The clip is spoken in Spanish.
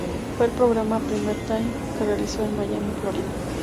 Fue el programa prime time, y se realizó en Miami, Florida.